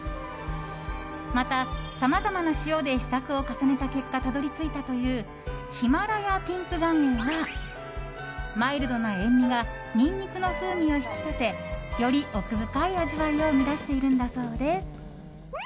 また、さまざまな塩で試作を重ねた結果たどり着いたというヒマラヤピンク岩塩はマイルドな塩みがニンニクの風味を引き立てより奥深い味わいを生み出しているんだそうです。